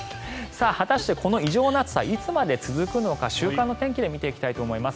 果たして、この異常な暑さいつまで続くのか週間の天気で見ていきたいと思います。